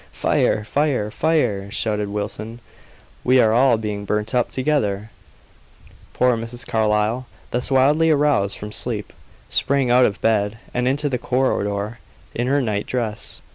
"Fire! fire! fire!" shouted Wilson; "we are all being burnt up together!" Poor Mrs. Carlyle, thus wildly aroused from sleep, sprang out of bed and into the corridor in her night dress.